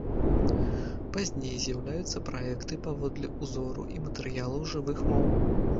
Пазней з'яўляюцца праекты паводле ўзору і матэрыялаў жывых моў.